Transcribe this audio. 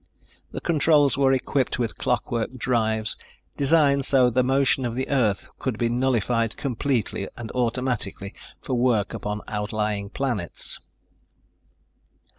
The controls were equipped with clockwork drives, designed so that the motion of the Earth could be nullified completely and automatically for work upon outlying planets.